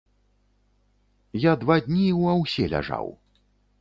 Я два дні ў аўсе ляжаў.